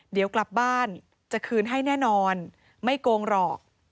เดี๋ยวกลับบ้านจะคืนให้แน่นอนไม่โกงหรอก